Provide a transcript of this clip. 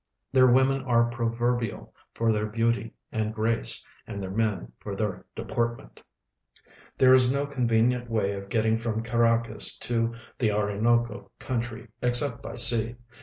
Their women are proverlnal for their beauty and grace and their men for their dei)ortment. There is no convenient Avay of getting from Caracas to the Orinoco country exce})t by sea.